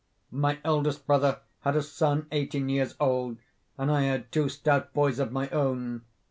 My eldest brother had a son eighteen years old, and I had two stout boys of my own.